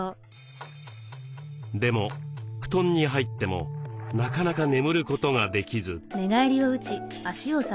でも布団に入ってもなかなか眠ることができず。